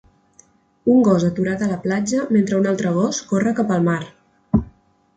Un gos aturat a la platja mentre un altre gos corre cap al mar.